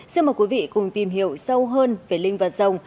xin mời quý vị cùng tìm hiểu sâu hơn về linh vật rồng